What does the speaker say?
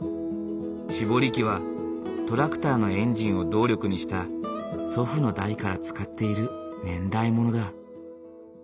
搾り機はトラクターのエンジンを動力にした祖父の代から使っている年代物だ。